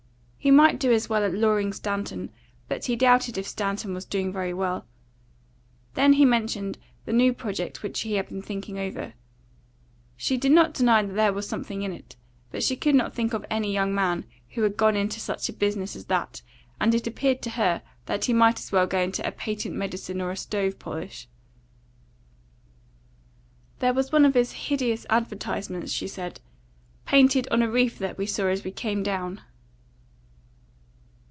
He might do as well as Loring Stanton, but he doubted if Stanton was doing very well. Then he mentioned the new project which he had been thinking over. She did not deny that there was something in it, but she could not think of any young man who had gone into such a business as that, and it appeared to her that he might as well go into a patent medicine or a stove polish. "There was one of his hideous advertisements," she said, "painted on a reef that we saw as we came down."